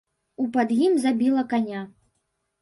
У пад ім забіла каня.